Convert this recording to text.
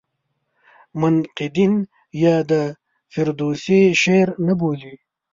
منقدین یې د فردوسي شعر نه بولي.